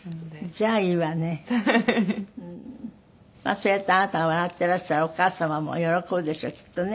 そうやってあなたが笑ってらしたらお母様も喜ぶでしょうきっとね。